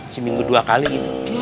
seminggu dua kali gitu